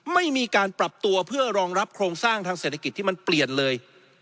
ไม่มีการปรับตัวเพื่อรองรับโครงสร้างทางเศรษฐกิจที่มันเปลี่ยนเลย